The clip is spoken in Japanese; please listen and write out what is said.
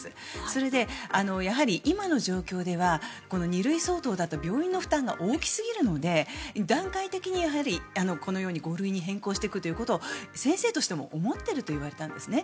それでやはり今の状況ではこの２類相当だと病院の負担が大きすぎるので段階的にやはりこのように５類に変更していくということを先生としても思っていると言われたんですね。